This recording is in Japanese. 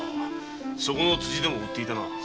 そこの辻でも売っていたな。